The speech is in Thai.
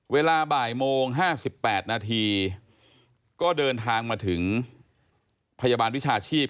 เวลาบ่ายโมง๕๘นาทีก็เดินทางมาถึงพยาบาลวิชาชีพ